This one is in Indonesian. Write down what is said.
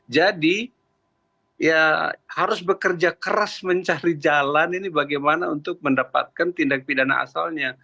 jadi ya harus bekerja keras mencari jalan ini bagaimana untuk mendapatkan tindak pidana asalnya